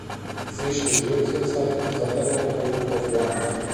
Sie studiert zurzeit Sonderpädagogik auf Lehramt.